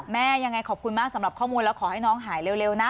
แม่ยังไงขอบคุณมากสำหรับข้อมูลแล้วขอให้น้องหายเร็วนะ